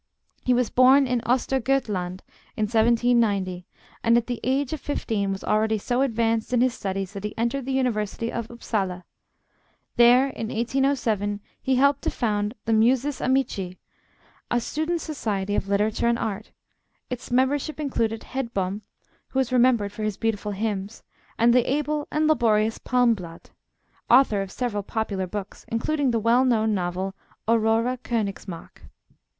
He was born in Ostergöthland, in 1790, and at the age of fifteen was already so advanced in his studies that he entered the University of Upsala. There in 1807 he helped to found the "Musis Amici," a students' society of literature and art; its membership included Hedbom, who is remembered for his beautiful hymns, and the able and laborious Palmblad, author of several popular books, including the well known novel 'Aurora Königsmark.'